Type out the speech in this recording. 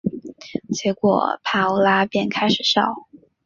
结果帕欧拉便开始笑。